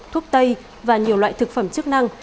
thuốc tây và nhiều loại thực phẩm chức năng